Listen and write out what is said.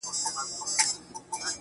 گراني خبري سوې د وخت ملكې _